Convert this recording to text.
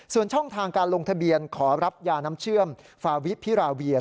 ส่วนช่องทางการลงทะเบียนขอรับยาน้ำเชื่อมฟาวิพิราเวีย